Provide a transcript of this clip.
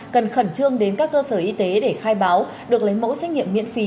cần khẩn trương đến các cơ sở y tế để khai báo được lấy mẫu xét nghiệm miễn phí